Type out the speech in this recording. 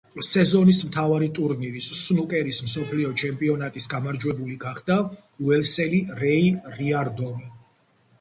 სეზონის მთავარი ტურნირის, სნუკერის მსოფლიო ჩემპიონატის გამარჯვებული გახდა უელსელი რეი რიარდონი.